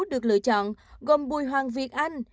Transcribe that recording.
được lựa chọn gồm bùi hoàng việt anh